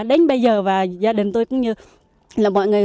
đến bây giờ gia đình tôi cũng như mọi người